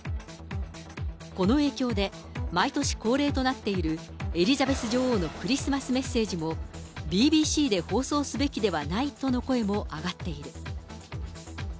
この影響で、毎年恒例となっているエリザベス女王のクリスマスメッセージもＢＢＣで放送すべきではないとの声も上がっている。